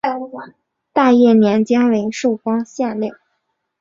大业年间为寿光县令。